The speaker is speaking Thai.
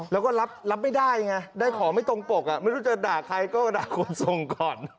แล้วก็รับไม่ได้ไงได้ของไม่ตรงปกไม่รู้จะด่าใครก็ด่าคนส่งก่อน